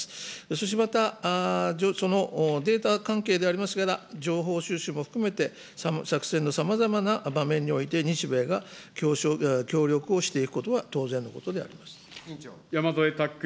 そしてまた、そのデータ関係でありますから、情報収集も含めて、作戦のさまざまな場面において、日米が協力をしていくことは当然山添拓君。